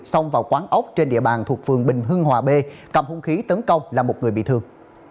xông vào quán ốc trên địa bàn thuộc phường bình hưng hòa b cầm hung khí tấn công là một người bị thương